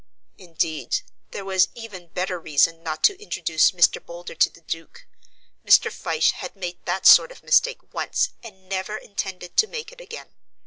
Indeed, there was even better reason not to introduce Mr. Boulder to the Duke. Mr. Fyshe had made that sort of mistake once, and never intended to make it again.